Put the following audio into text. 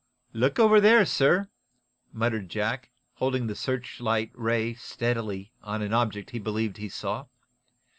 "Look over there, sir," muttered Jack, holding the searchlight ray steadily on an object he believed he saw.